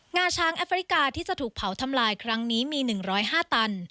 งาช้างแอฟริกาที่จะถูกเผาทำลายครั้งนี้มี๑๐๕ตัน